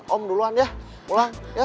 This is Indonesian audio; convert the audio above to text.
om duluan ya pulang ya